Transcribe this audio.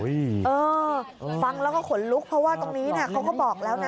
เออฟังแล้วก็ขนลุกเพราะว่าตรงนี้เขาก็บอกแล้วนะ